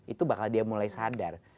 itu bakal dia mulai sadar